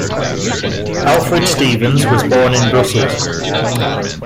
Alfred Stevens was born in Brussels.